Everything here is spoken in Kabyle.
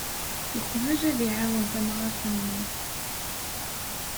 Yeqbel ad iɛawen tamɣart-nni.